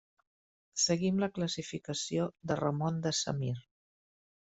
Seguim la classificació de Ramon de Semir.